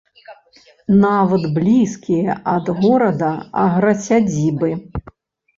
Нават блізкія ад горада аграсядзібы.